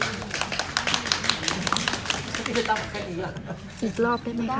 สำหรับริต้านะคะ